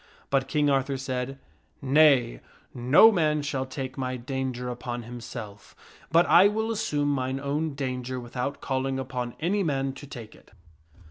But King Arthur said, " Nay ; no man shall take my danger upon himself, but I will assume mine own danger without calling upon any man to take it."